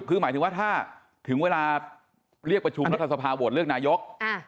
คือหมายถึงว่าถ้าถึงเวลาเรียกประชุมรัฐสภาโหวตเลือกนายก